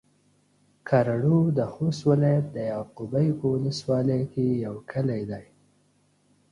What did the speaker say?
کرړو د خوست ولايت د يعقوبيو په ولسوالۍ کې يو کلی دی